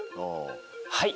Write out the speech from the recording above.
はい。